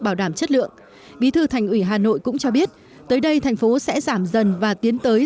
bảo đảm chất lượng bí thư thành ủy hà nội cũng cho biết tới đây thành phố sẽ giảm dần và tiến tới